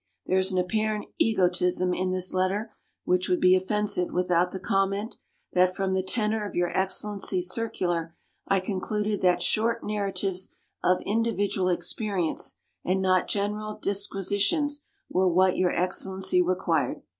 There is an apparent egotism in this letter, which would be offensive without the com ment, that, from the tenor of Your Excellency's circular, I concluded that short narratives of individual experience, and not general disquisitions, were what Your Excellency required.